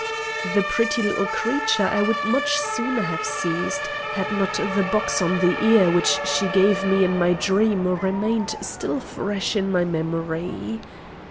The pretty little creature I would much sooner have seized, had not the box on the ear which she gave me in my dream remained still fresh in my memory.